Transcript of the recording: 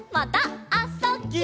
「あ・そ・ぎゅ」